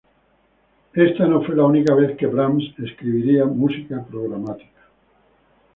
Esta no fue la única vez que Brahms escribiría música programática.